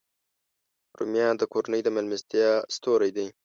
رومیان د کورنۍ د میلمستیا ستوری دی